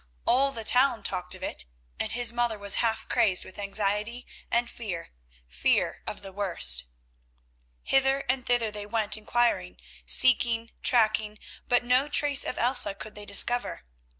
All the town talked of it, and his mother was half crazed with anxiety and fear, fear of the worst. Hither and thither they went inquiring, seeking, tracking, but no trace of Elsa could they discover.